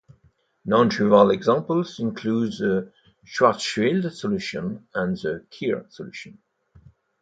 Nontrivial examples include the Schwarzschild solution and the Kerr solution.